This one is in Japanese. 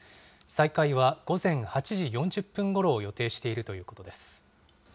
再開は午前８時４０分ごろを予定しているということです。